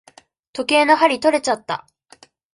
時計の針とれちゃった。